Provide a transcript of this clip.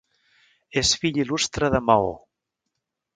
És fill Il·lustre de Maó.